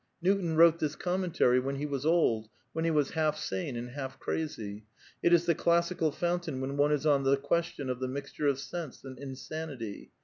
ton wrote this commentary when he was old, when he half sane and half crazy. It is the classical fountain Q one is on the question of the mixture of sense and nity.